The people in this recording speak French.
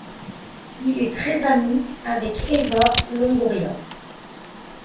Il est très ami avec Eva Longoria.